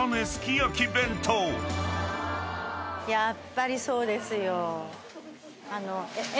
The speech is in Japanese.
やっぱりそうですよ。